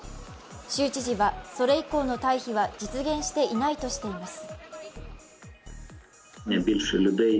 州知事はそれ以降の退避は実現していないとしています。